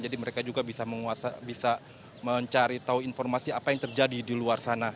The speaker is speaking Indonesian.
jadi mereka juga bisa mencari tahu informasi apa yang terjadi di luar sana